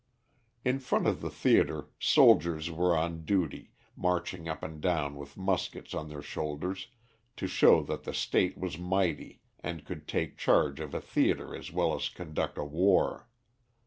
In front of the theatre, soldiers were on duty, marching up and down with muskets on their shoulders, to show that the state was mighty and could take charge of a theatre as well as conduct a war.